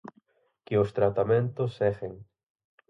Que os tratamentos seguen.